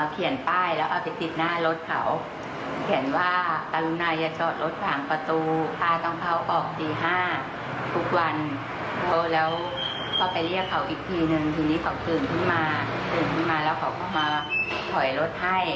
ทีนี้เขาถึงขึ้นมาแล้วเขาก็มาถอยรถให้